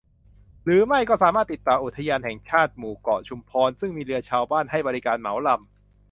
หรือไม่ก็สามารถติดต่ออุทยานแห่งชาติหมู่เกาะชุมพร ซึ่งมีเรือชาวบ้านให้บริการเหมาลำ